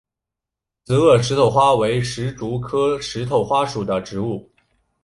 紫萼石头花为石竹科石头花属的植物。